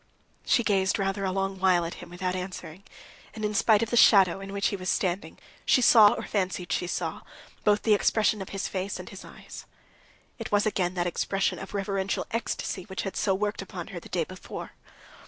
She gazed rather a long while at him without answering, and, in spite of the shadow in which he was standing, she saw, or fancied she saw, both the expression of his face and his eyes. It was again that expression of reverential ecstasy which had so worked upon her the day before.